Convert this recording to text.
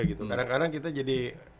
kadang kadang kita jadi